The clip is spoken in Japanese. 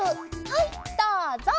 はいどうぞ！